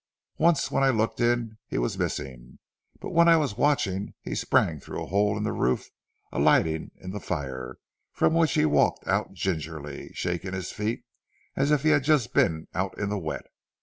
Once when I looked in he was missing, but while I was watching he sprang through a hole in the roof, alighting in the fire, from which he walked out gingerly, shaking his feet as if he had just been out in the wet.